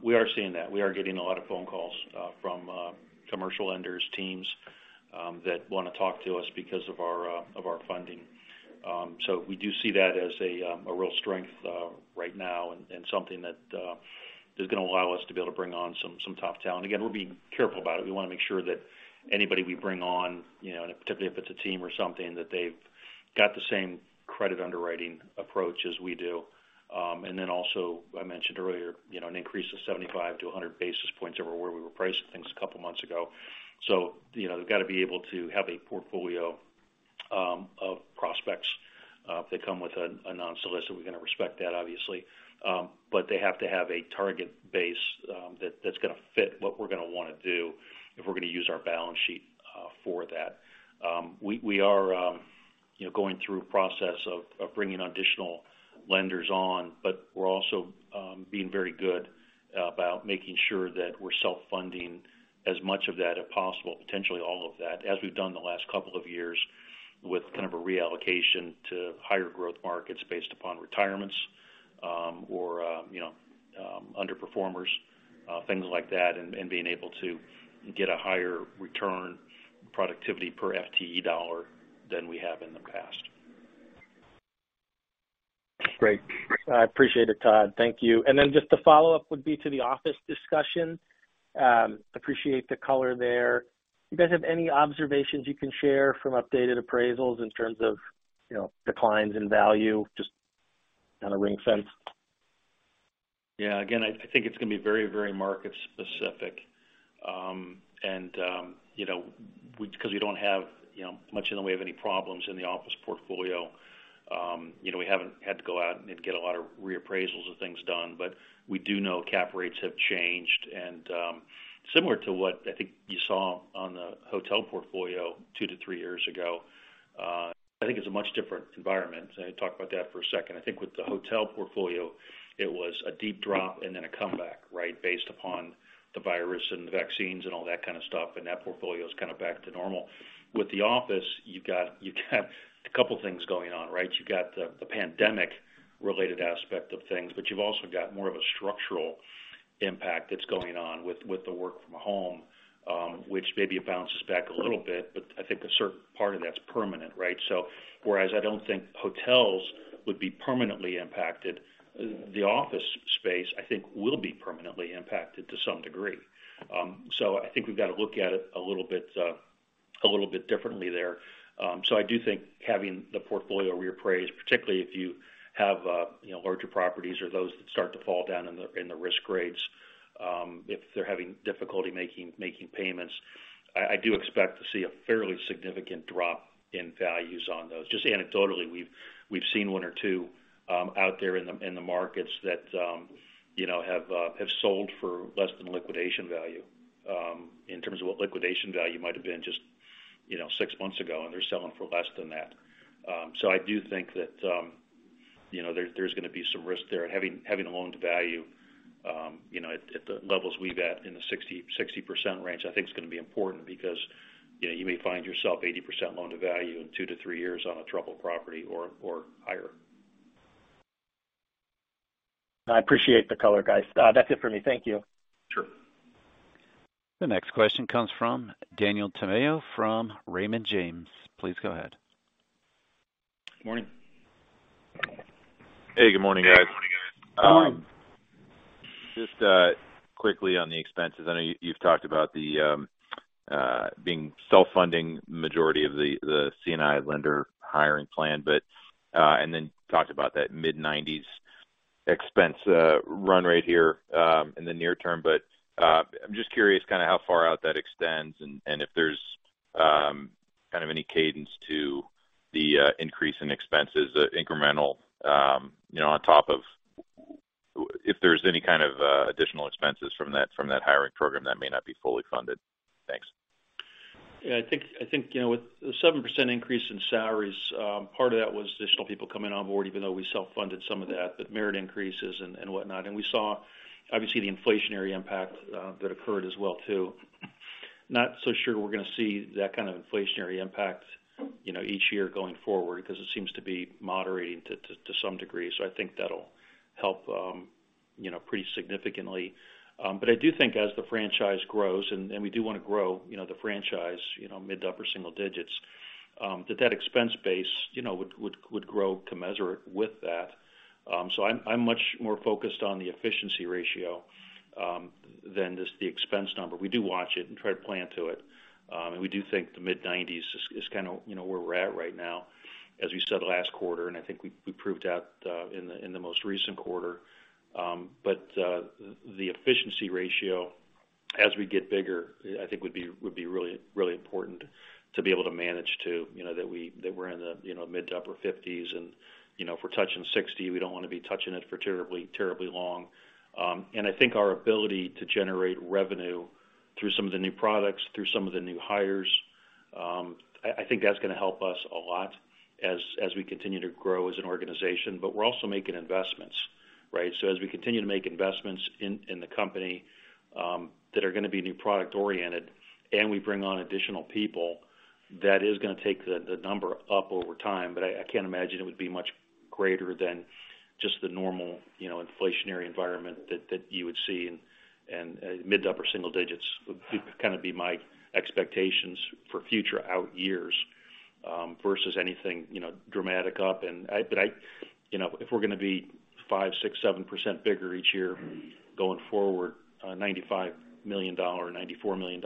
We are seeing that. We are getting a lot of phone calls, from commercial lenders, teams, that wanna talk to us because of our funding. We do see that as a real strength right now and something that is gonna allow us to be able to bring on some top talent. Again, we're being careful about it. We wanna make sure that anybody we bring on, you know, and particularly if it's a team or something, that they've got the same credit underwriting approach as we do. Also, I mentioned earlier, you know, an increase of 75 to 100 basis points over where we were pricing things a couple months ago. you know, they've got to be able to have a portfolio of prospects that come with a non-solicit. We're gonna respect that obviously. But they have to have a target base that's gonna fit what we're gonna wanna do if we're gonna use our balance sheet for that. We are, you know, going through a process of bringing additional lenders on, but we're also being very good about making sure that we're self-funding as much of that as possible, potentially all of that, as we've done the last couple of years with kind of a reallocation to higher growth markets based upon retirements, or, you know, underperformers, things like that, and being able to get a higher return productivity per FTE dollar than we have in the past. Great. I appreciate it, Todd. Thank you. Then just the follow-up would be to the office discussion. Appreciate the color there. You guys have any observations you can share from updated appraisals in terms of, you know, declines in value, just kind of ring fence? Yeah. Again, I think it's gonna be very, very market specific. You know, because we don't have, you know, much in the way of any problems in the office portfolio, you know, we haven't had to go out and get a lot of reappraisals and things done. We do know cap rates have changed. Similar to what I think you saw on the hotel portfolio two to three years ago, I think it's a much different environment. I talked about that for a second. I think with the hotel portfolio, it was a deep drop and then a comeback, right? Based upon the virus and the vaccines and all that kind of stuff, that portfolio is kind of back to normal. With the office, you've got a couple things going on, right? You've got the pandemic related aspect of things, but you've also got more of a structural impact that's going on with the work from home, which maybe it bounces back a little bit, but I think a certain part of that's permanent, right? Whereas I don't think hotels would be permanently impacted, the office space I think will be permanently impacted to some degree. I think we've got to look at it a little bit, a little bit differently there. I do think having the portfolio reappraised, particularly if you have, you know, larger properties or those that start to fall down in the risk grades, if they're having difficulty making payments, I do expect to see a fairly significant drop in values on those. Just anecdotally, we've seen one or two out there in the markets that, you know, have sold for less than liquidation value in terms of what liquidation value might have been just, you know, six months ago, and they're selling for less than that. I do think that, you know, there's gonna be some risk there. Having a loan to value, you know, at the levels we've at in the 60% range, I think is gonna be important because, you know, you may find yourself 80% loan to value in two to three years on a troubled property or higher. I appreciate the color, guys. That's it for me. Thank you. Sure. The next question comes from Daniel Tamayo from Raymond James. Please go ahead. Morning. Hey, good morning, guys. Good morning. Just quickly on the expenses. I know you've talked about the being self-funding majority of the C&I lender hiring plan, then talked about that mid-90s expense run rate here in the near term. I'm just curious kind of how far out that extends, and if there's kind of any cadence to the increase in expenses, incremental, you know, on top of if there's any kind of additional expenses from that hiring program that may not be fully funded. Thanks. I think, you know, with the 7% increase in salaries, part of that was additional people coming on board, even though we self-funded some of that, but merit increases and whatnot. We saw obviously the inflationary impact that occurred as well too. Not so sure we're going to see that kind of inflationary impact, you know, each year going forward because it seems to be moderating to some degree. I think that'll help, you know, pretty significantly. But I do think as the franchise grows and we do want to grow, you know, the franchise, you know, mid to upper single digits, that expense base, you know, would grow commensurate with that. I'm much more focused on the efficiency ratio than just the expense number. We do watch it and try to plan to it. We do think the mid-90s is kind of, you know, where we're at right now, as we said last quarter. I think we proved that in the most recent quarter. The efficiency ratio as we get bigger, I think would be really, really important to be able to manage to, you know, that we're in the, you know, mid-50s to upper 50s and, you know, if we're touching 60, we don't wanna be touching it for terribly long. I think our ability to generate revenue through some of the new products, through some of the new hires, I think that's gonna help us a lot as we continue to grow as an organization. We're also making investments, right? As we continue to make investments in the company, that are gonna be new product oriented, and we bring on additional people, that is gonna take the number up over time. I can't imagine it would be much greater than just the normal, you know, inflationary environment that you would see. Mid to upper single digits would be, kind of be my expectations for future out years, versus anything, you know, dramatic up. I, you know, if we're gonna be 5%, 6%, 7% bigger each year going forward on a $95 million or $94 million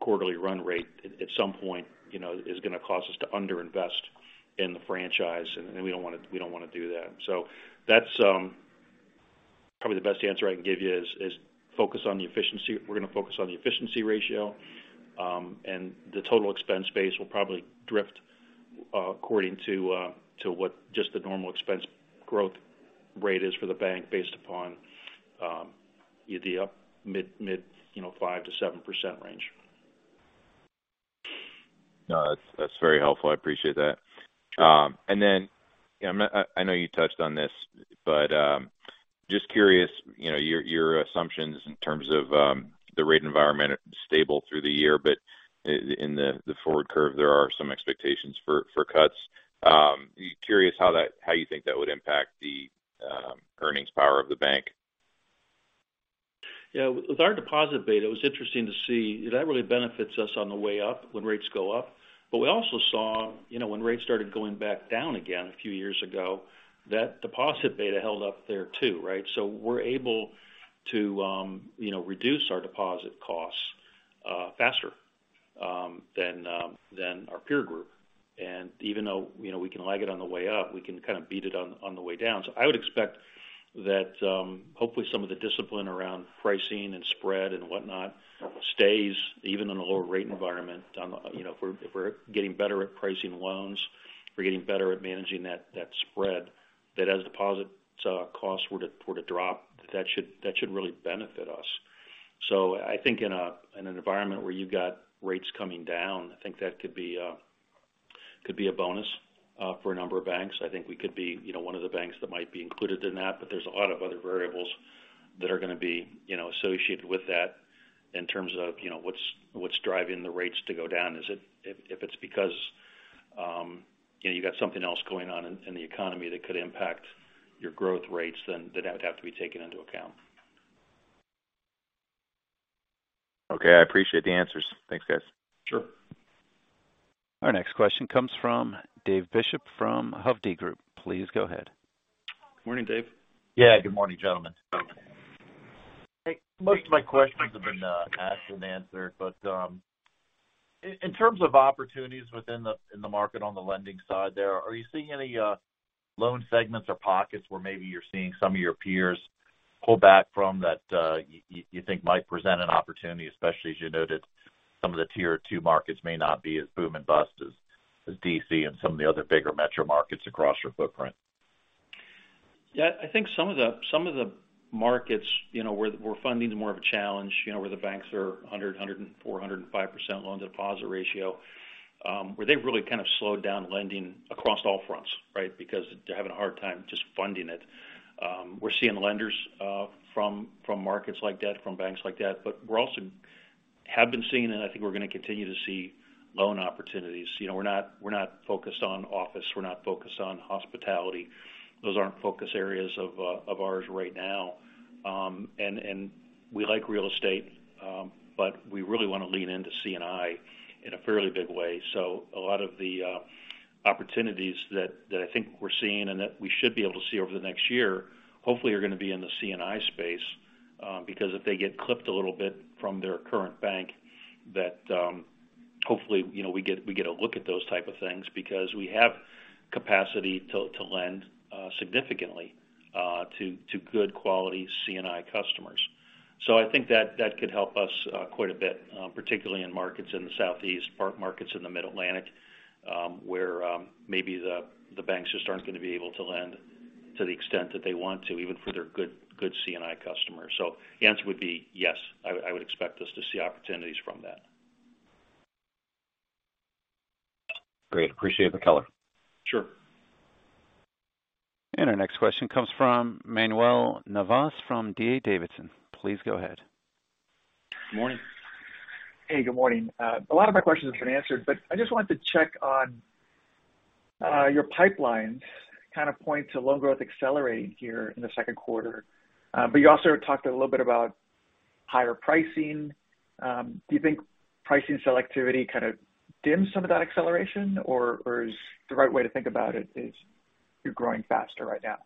quarterly run rate, at some point, you know, is gonna cause us to under-invest in the franchise, and we don't wanna do that. That's probably the best answer I can give you is focus on the efficiency. We're gonna focus on the efficiency ratio. The total expense base will probably drift according to what just the normal expense growth rate is for the bank based upon the up mid, you know, 5% to 7% range. No, that's very helpful. I appreciate that. Sure. I know you touched on this. Just curious, you know, your assumptions in terms of the rate environment stable through the year, but in the forward curve, there are some expectations for cuts. Curious how you think that would impact the earnings power of the bank. Yeah. With our deposit beta, it was interesting to see that really benefits us on the way up when rates go up. We also saw, you know, when rates started going back down again a few years ago, that deposit beta held up there too, right? We're able to, you know, reduce our deposit costs faster than our peer group. Even though, you know, we can lag it on the way up, we can kind of beat it on the way down. I would expect that, hopefully, some of the discipline around pricing and spread and whatnot stays even in a lower rate environment. you know, if we're getting better at pricing loans, if we're getting better at managing that spread, that as deposits, costs were to drop, that should really benefit us. I think in a, in an environment where you've got rates coming down, I think that could be a bonus for a number of banks. I think we could be, you know, one of the banks that might be included in that. There's a lot of other variables that are gonna be, you know, associated with that in terms of, you know, what's driving the rates to go down. Is it, if it's because, you know, you got something else going on in the economy that could impact your growth rates, then that would have to be taken into account. Okay. I appreciate the answers. Thanks, guys. Sure. Our next question comes from David Bishop from Hovde Group. Please go ahead. Morning, Dave. Good morning, gentlemen. Most of my questions have been asked and answered, but in terms of opportunities within the market on the lending side there, are you seeing any loan segments or pockets where maybe you're seeing some of your peers pull back from that, you think might present an opportunity, especially as you noted some of the Tier 2 markets may not be as boom and bust as D.C. and some of the other bigger metro markets across your footprint? Yeah. I think some of the, some of the markets, you know, where funding is more of a challenge, you know, where the banks are 100%, 104%, 105% loan deposit ratio, where they've really kind of slowed down lending across all fronts, right? Because they're having a hard time just funding it. We're seeing lenders from markets like that, from banks like that. We're also have been seeing, and I think we're gonna continue to see loan opportunities. You know, we're not, we're not focused on office, we're not focused on hospitality. Those aren't focus areas of ours right now. We like real estate, but we really wanna lean into C&I in a fairly big way. A lot of the opportunities that I think we're seeing and that we should be able to see over the next year hopefully are gonna be in the C&I space. Because if they get clipped a little bit from their current bank, that, hopefully, you know, we get a look at those type of things because we have capacity to lend significantly to good quality C&I customers. I think that could help us quite a bit, particularly in markets in the Southeast, part markets in the Mid-Atlantic, where maybe the banks just aren't gonna be able to lend to the extent that they want to, even for their good C&I customers. The answer would be yes. I expect us to see opportunities from that. Great. Appreciate the color. Sure. Our next question comes from Manuel Navas from D.A. Davidson. Please go ahead. Morning. Hey, good morning. A lot of my questions have been answered, but I just wanted to check on your pipeline kind of point to loan growth accelerating here in the second quarter. You also talked a little bit about higher pricing. Do you think pricing selectivity kinda dim some of that acceleration, or is the right way to think about it is you're growing faster right now?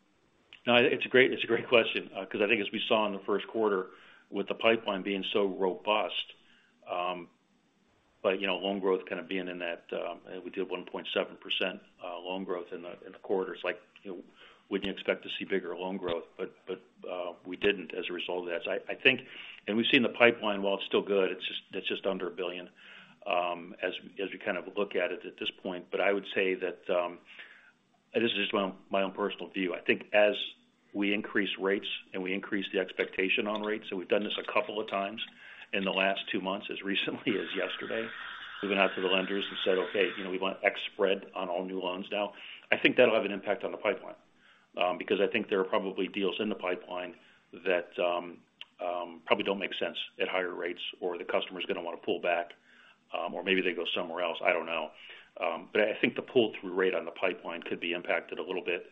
No, it's a great, it's a great question, because I think as we saw in the first quarter with the pipeline being so robust, you know, loan growth kind of being in that, we did 1.7% loan growth in the quarter. It's like, you know, wouldn't expect to see bigger loan growth, but we didn't as a result of that. I think we've seen the pipeline, while it's still good, it's just under $1 billion as we kind of look at it at this point. I would say that, this is just my own personal view. I think as we increase rates and we increase the expectation on rates, we've done this a couple of times in the last two months. As recently as yesterday, we went out to the lenders and said, "Okay, you know, we want X spread on all new loans now." I think that'll have an impact on the pipeline, because I think there are probably deals in the pipeline that probably don't make sense at higher rates or the customer's gonna wanna pull back, or maybe they go somewhere else. I don't know. I think the pull through rate on the pipeline could be impacted a little bit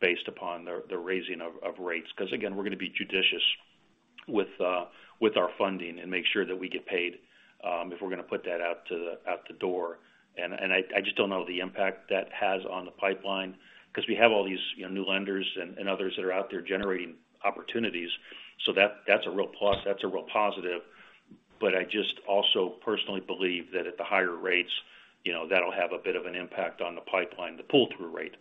based upon the raising of rates. Again, we're gonna be judicious with our funding and make sure that we get paid if we're gonna put that out the door. I just don't know the impact that has on the pipeline because we have all these, you know, new lenders and others that are out there generating opportunities. That's a real plus, that's a real positive. I just also personally believe that at the higher rates, you know, that'll have a bit of an impact on the pipeline, the pull through rate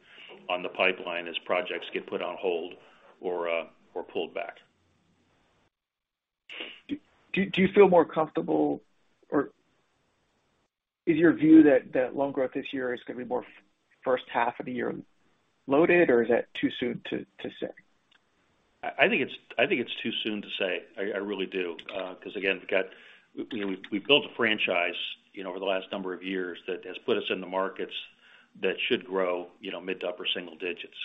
on the pipeline as projects get put on hold or pulled back. Do you feel more comfortable or is your view that loan growth this year is gonna be more first half of the year loaded, or is that too soon to say? I think it's too soon to say. I really do. Again, you know, we've built a franchise, you know, over the last number of years that has put us in the markets that should grow, you know, mid to upper single digits.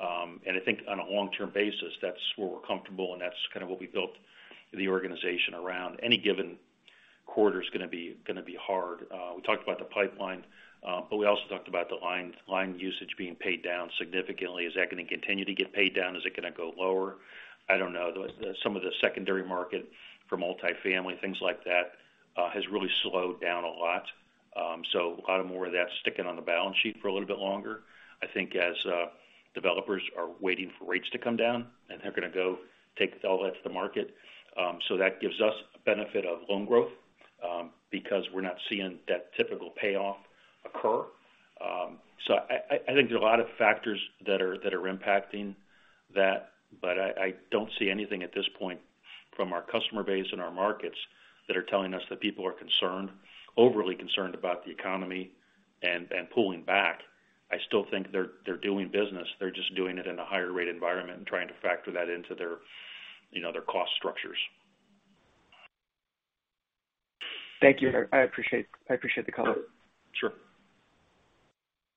I think on a long-term basis, that's where we're comfortable, and that's kind of what we built the organization around. Any given quarter is gonna be hard. We talked about the pipeline. We also talked about the line usage being paid down significantly. Is that gonna continue to get paid down? Is it gonna go lower? I don't know. Some of the secondary market for multifamily, things like that, has really slowed down a lot. A lot of more of that sticking on the balance sheet for a little bit longer. I think as developers are waiting for rates to come down and they're gonna go take all that to the market, that gives us a benefit of loan growth because we're not seeing that typical payoff occur. I think there are a lot of factors that are impacting that, but I don't see anything at this point from our customer base and our markets that are telling us that people are concerned, overly concerned about the economy and pulling back. I still think they're doing business. They're just doing it in a higher rate environment and trying to factor that into their, you know, their cost structures. Thank you. I appreciate the color. Sure.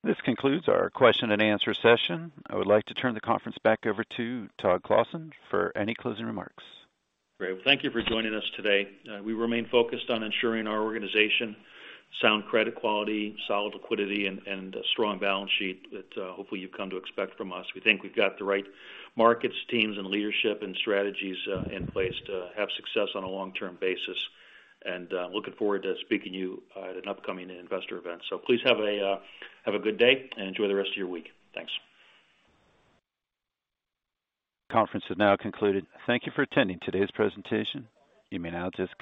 This concludes our question and answer session. I would like to turn the conference back over to Todd Clossin for any closing remarks. Great. Well, thank you for joining us today. We remain focused on ensuring our organization sound credit quality, solid liquidity and a strong balance sheet that hopefully you've come to expect from us. We think we've got the right markets, teams and leadership and strategies in place to have success on a long-term basis. Looking forward to speaking to you at an upcoming investor event. Please have a good day and enjoy the rest of your week. Thanks. Conference is now concluded. Thank you for attending today's presentation. You may now disconnect.